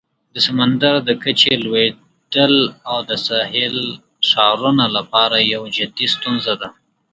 د سمندر د کچې لوړیدل د ساحلي ښارونو لپاره یوه جدي ستونزه ده.